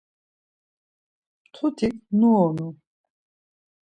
Mtutik nuonu.